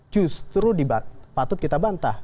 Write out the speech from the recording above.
justru patut kita bantah